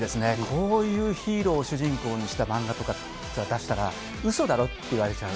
こういうヒーローを主人公にした漫画とか出したらうそだろ？って言われちゃう。